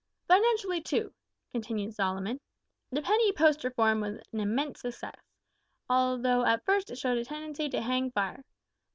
"Financially, too," continued Solomon, "the Penny Post reform was an immense success, though at first it showed a tendency to hang fire.